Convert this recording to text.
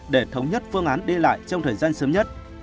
để thống nhất phương án đi lại trong thời gian sớm nhất